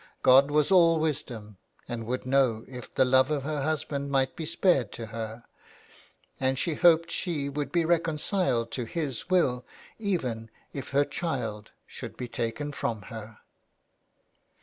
God was all wisdom, and would know if the love of her husband might be spared to her, and she hoped she would be reconciled to His will even if her child should be taken from her.